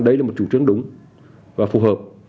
đấy là một chủ trướng đúng và phù hợp